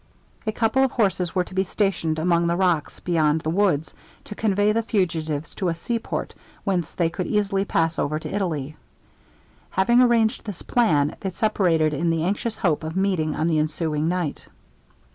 A couple of horses were to be stationed among the rocks beyond the woods, to convey the fugitives to a sea port, whence they could easily pass over to Italy. Having arranged this plan, they separated in the anxious hope of meeting on the ensuing night.